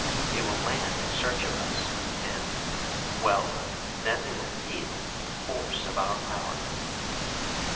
They will land in search of us and well, then they will feel the force of our power."